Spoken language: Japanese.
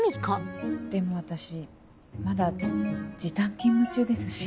でも私まだ時短勤務中ですし。